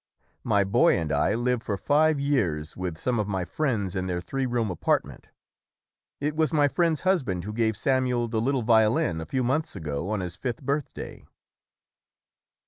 My boy and I lived for five years with some of my friends in their three room apartment. It was my friend's husband who gave Samuel the little violin a few months ago on his fifth birthday."